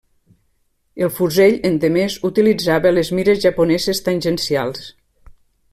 El fusell, endemés, utilitzava les mires japoneses tangencials.